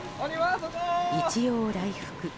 一陽来復。